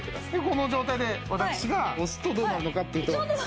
この状態で私が押すとどうなるのかっていうと。